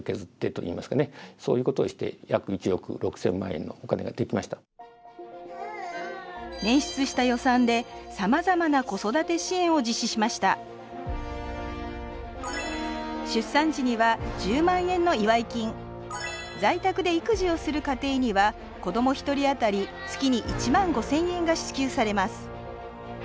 まず何から取り組んだのでしょうか捻出した予算でさまざまな子育て支援を実施しました出産時には１０万円の祝い金在宅で育児をする家庭には子ども１人あたり月に１万５０００円が支給されます